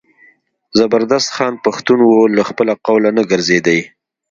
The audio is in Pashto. زبردست خان پښتون و له خپله قوله نه ګرځېدی.